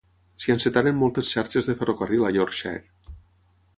S'hi encetaren moltes xarxes de ferrocarril a Yorkshire.